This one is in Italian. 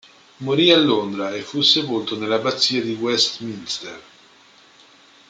Morì a Londra e fu sepolto nella Abbazia di Westminster.